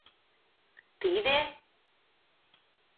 — Тиде...